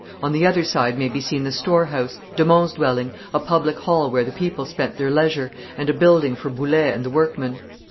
On the other side may be seen the storehouse, de Monts' dwelling, a public hall where the people spent their leisure, and a building for Boulay and the workmen.